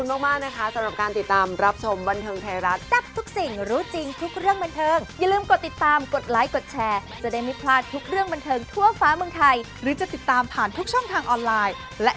โอ้โหพูดดีมากในเรื่องฝันนะคะ